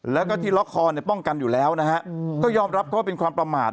แล้วก็ที่ล็อคคอร์ป้องกันอยู่แล้วก็ยอมรับเพราะว่าเป็นความประหมาตร